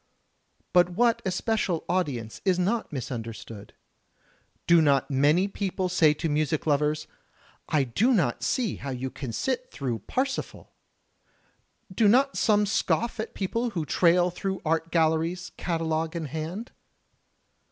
But what especial audience is not misunderstood? Do not many people say to music lovers, "I don't see how you can sit through Parsifal"? Do not some scoff at people who trail through art galleries, catalogue in hand?